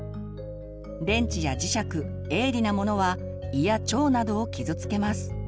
電池や磁石鋭利なものは胃や腸などを傷つけます。